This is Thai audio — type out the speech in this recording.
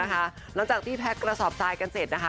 หลังจากที่แพ็กกระสอบทรายกันเสร็จนะคะ